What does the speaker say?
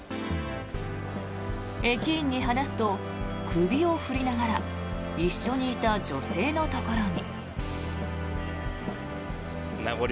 駅員に話すと、首を振りながら一緒にいた女性のところに。